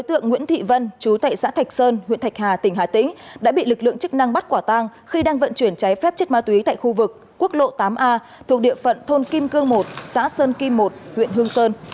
đối tượng nguyễn thị vân chú tệ xã thạch sơn huyện thạch hà tỉnh hà tĩnh đã bị lực lượng chức năng bắt quả tang khi đang vận chuyển cháy phép chất ma túy tại khu vực quốc lộ tám a thuộc địa phận thôn kim cương một xã sơn kim một huyện hương sơn